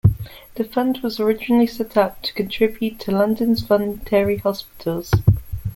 The fund was originally set up to contribute to London's voluntary hospitals.